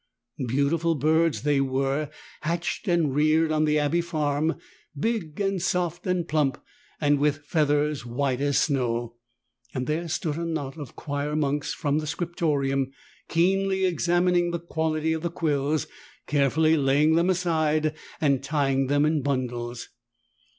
Beautiful birds they were, hatched and reared on the abbey farm — big and soft and plump, and with feathers white as snow ! And there stood a knot of choir monks from the Scriptorium keenly examining the quality of the quills — carefully laying them aside and tying them in bundles.